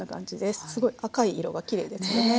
すごい赤い色がきれいですよね。